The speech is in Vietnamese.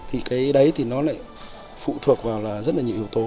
thì cái đấy thì nó lại phụ thuộc vào là rất là nhiều yếu tố